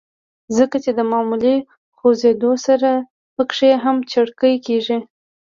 ځکه چې د معمولي خوزېدو سره پکښې هم څړيکې کيږي